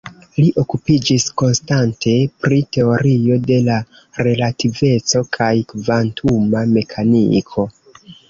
Li okupiĝis konstante pri Teorio de la relativeco kaj kvantuma mekaniko.